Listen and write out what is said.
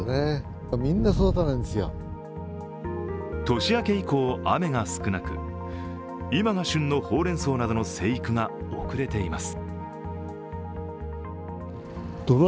年明け以降、雨が少なく今が旬のほうれんそうなどの生育が遅れています。